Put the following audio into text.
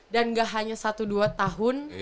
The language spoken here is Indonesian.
dan gak hanya satu dua tahun